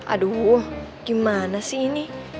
aduh gimana sih ini